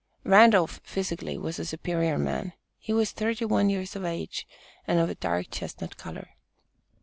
Randolph, physically, was a superior man. He was thirty one years of age and of a dark chestnut color.